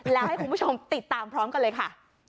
แล้วให้คุณผู้ชมติดตามพร้อมกันเลยค่ะ